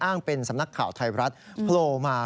เป็นสำนักข่าวไทยรัฐโพลมา